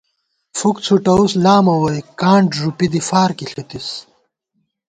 فُک څھُٹوُس لامہ ووئی کانڈ ݫُوپی دی فارکی ݪِتُس